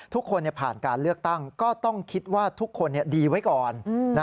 ทุกคนผ่านการเลือกตั้งก็ต้องคิดว่าทุกคนดีไว้ก่อน